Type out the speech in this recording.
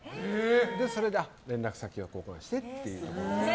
それで、連絡先を交換してっていう。